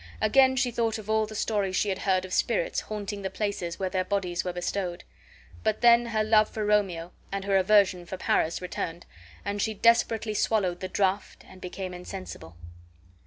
Again she thought of all the stories she had heard of spirits haunting the places where their bodies were bestowed. But then her love for Romeo and her aversion for Paris returned, and she desperately swallowed the draught and became insensible.